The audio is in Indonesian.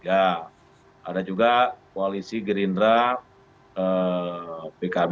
ada juga koalisi gerindra pkb